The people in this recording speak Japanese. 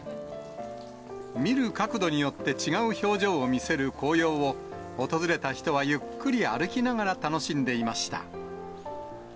見る角度によって、違う表情を見せる紅葉を、訪れた人はゆっくり歩きながら楽しんでいました。